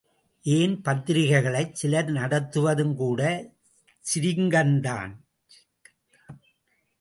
ஏன் பத்திரிகைகளைச் சிலர் நடத்துவதுங் கூடச் சிரிக்கந்தான்!